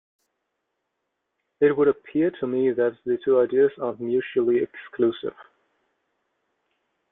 It would appear to me that the two ideas aren't mutually exclusive.